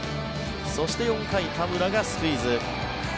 そして、４回田村がスクイズ。